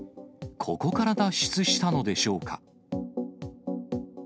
ここから脱出したのでしょうか。